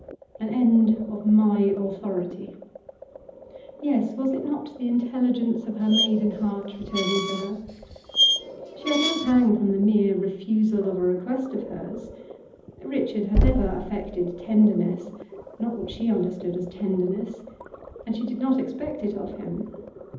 An end of my authority. Yes, was it not the intelligence of her maiden heart returning to her? She had no pang from the mere refusal of a request of hers; Richard had never affected tenderness not what she understood as tenderness and she did not expect it of him.